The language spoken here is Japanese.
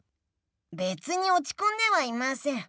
べつにおちこんではいません。